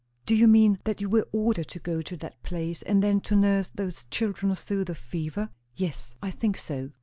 "Do you mean that you were ordered to go to that place, and then to nurse those children through the fever?" "Yes, I think so."